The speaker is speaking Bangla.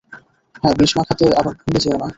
হ্যাঁ, বিষ মাখাতে আবার ভুলে যেয়ো না।